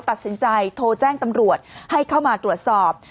ตัดสินใจโทรแจ้งตำรวจให้เข้ามาตรวจสอบ